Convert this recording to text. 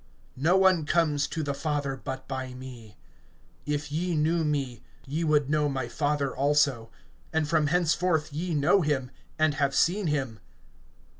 No one comes to the Father, but by me. (7)If ye knew me, ye would know my Father also; and from henceforth ye know him, and have seen him.